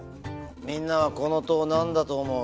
みんなはこの塔何だと思う？